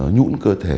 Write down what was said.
nhũng cơ thể